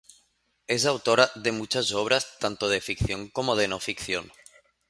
Es autora de muchas obras tanto de ficción como de no ficción.